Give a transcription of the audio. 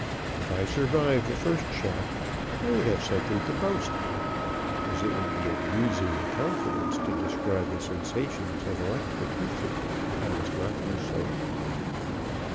If I survived the first shock, I would have something to boast; as it would be abusing a confidence to describe the sensations of electrocution, I must not do so.